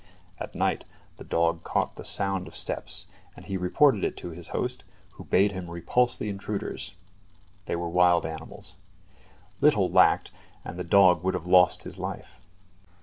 At night the dog caught the sound of steps, and he reported it to his host, who bade him repulse the intruders. They were wild animals. Little lacked and the dog would have lost his life.